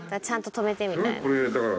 ちゃんと止めてみたいな。